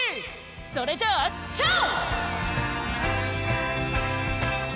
それじゃあチャオ！